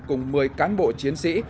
cùng một mươi cán bộ chiến sĩ